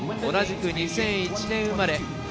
同じく２００１年生まれ。